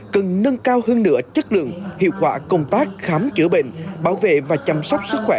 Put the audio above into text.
cần nâng cao hơn nửa chất lượng hiệu quả công tác khám chữa bệnh bảo vệ và chăm sóc sức khỏe